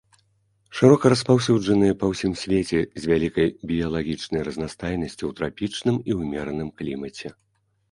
Шырока распаўсюджаныя па ўсім свеце з вялікай біялагічнай разнастайнасцю ў трапічным і ўмераным клімаце.